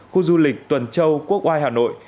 khu du lịch tuần châu quốc oai hà nội